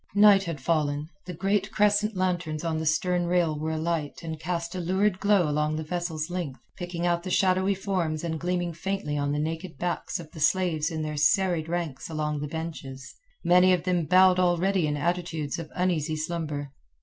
Night had fallen, the great crescent lanterns on the stern rail were alight and cast a lurid glow along the vessel's length, picking out the shadowy forms and gleaming faintly on the naked backs of the slaves in their serried ranks along the benches, many of them bowed already in attitudes of uneasy slumber.